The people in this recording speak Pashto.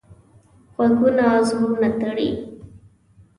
غږونه زړونه تړي